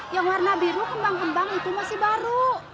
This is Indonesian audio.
yang warna biru kembang kembang itu masih baru